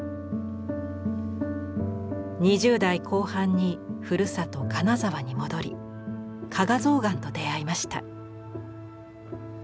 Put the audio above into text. ２０代後半にふるさと金沢に戻り加賀象嵌と出会いました。